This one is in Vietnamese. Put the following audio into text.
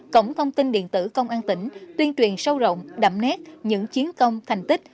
cổng thông tin điện tử công an tỉnh tuyên truyền sâu rộng đậm nét những chiến công thành tích